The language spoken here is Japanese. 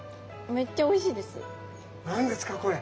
めっちゃおいしいです何ですかこれ？